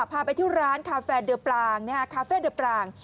พาไปที่ร้านกาแฟเดิอปร่างคาเฟ่เดอ็คปลาง